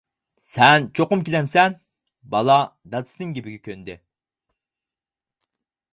-سەن چوقۇم كېلەمسەن؟ بالا دادىسىنىڭ گېپىگە كۆندى.